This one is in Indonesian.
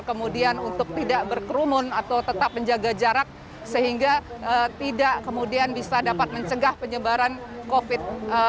kemudian untuk tidak berkerumun atau tetap menjaga jarak sehingga tidak kemudian bisa dapat mencegah penyebaran covid sembilan belas